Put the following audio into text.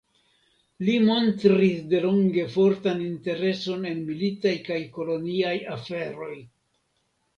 Li montris delonge fortan intereson en militaj kaj koloniaj aferoj.